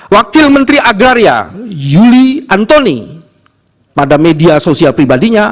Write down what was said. wakil menteri agraria yuli antoni pada media sosial pribadinya